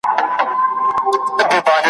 سلماني یې زه دي وینمه ژوندی یې ,